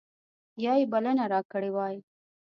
یا یې بلنه راکړې وای.